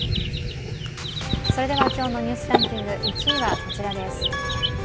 それでは今日の「ニュースランキング」１はこちらです。